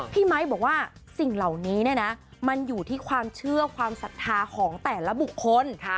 ไมค์บอกว่าสิ่งเหล่านี้เนี่ยนะมันอยู่ที่ความเชื่อความศรัทธาของแต่ละบุคคล